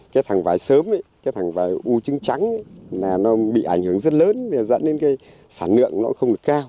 cái thằng vải sớm cái thằng vải u trứng trắng nó bị ảnh hưởng rất lớn dẫn đến cái sản lượng nó không được cao